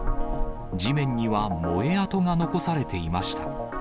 地面には燃え跡が残されていました。